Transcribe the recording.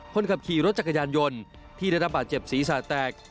คนขับขี่รถจักรยานยนต์ที่ได้รับบาดเจ็บศีรษะแตก